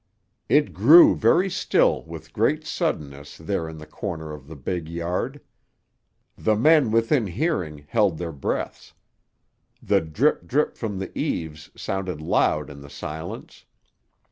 It grew very still with great suddenness there in the corner of the big yard. The men within hearing held their breaths. The drip drip from the eaves sounded loud in the silence.